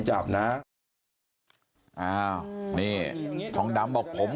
บอกแล้วบอกแล้วบอกแล้ว